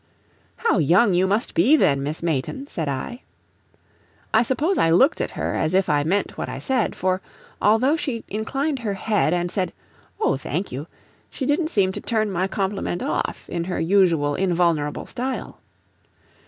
"How young you must be, then, Miss Mayton!" said I. I suppose I looked at her as if I meant what I said, for, although she inclined her head and said, "Oh, thank you," she didn't seem to turn my compliment off in her usual invulnerable style.